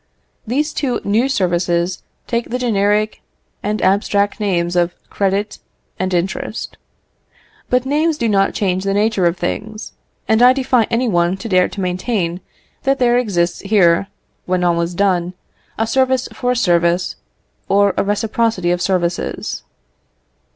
These two new services take the generic and abstract names of credit and interest. But names do not change the nature of things; and I defy any one to dare to maintain that there exists here, when all is done, a service for a service, or a reciprocity of services.